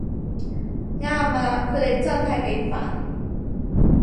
啱吖，佢哋真係幾煩